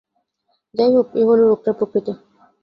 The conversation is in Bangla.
যাই হোক এই হল রোগটার প্রকৃতি।